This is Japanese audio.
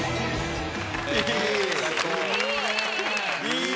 いい。